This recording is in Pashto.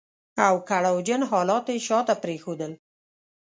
او کړاو جن حالات يې شاته پرېښودل.